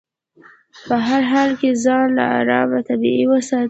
په هر حال کې ځان له ارام طلبي وساتي.